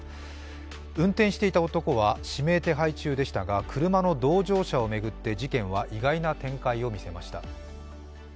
運転していた男は指名手配中でしたが、車の同乗者を巡って事件は意外な展開を見せました。